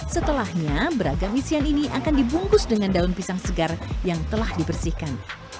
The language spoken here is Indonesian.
setelahnya beragam isian ini akan dibungkus dengan daun pisang segar yang telah dibersihkan